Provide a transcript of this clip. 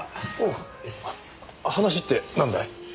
話ってなんだい？